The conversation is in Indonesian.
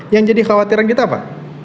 yang jadi khawatiran kita apa